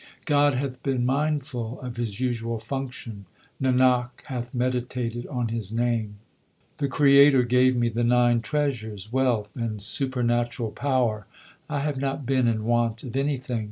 God hath been mindful of His usual function ; Nanak hath meditated on His name. LIFE OF GURU ARJAN n The Creator gave me the nine treasures, wealth, and super natural power ; I have not been in want of anything.